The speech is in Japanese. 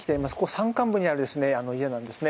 山間部にある家なんですね。